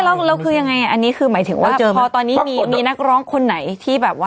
แล้วคือยังไงอันนี้คือหมายถึงว่าพอตอนนี้มีนักร้องคนไหนที่แบบว่า